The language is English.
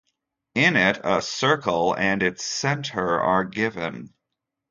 In it, a circle and its center are given.